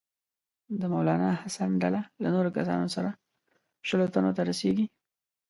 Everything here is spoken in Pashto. د مولنا حسن ډله له نورو کسانو سره شلو تنو ته رسیږي.